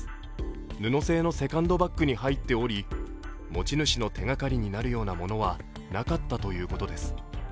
布製のセカンドバッグに入っており持ち主の手がかりになるようなものはなかったということです。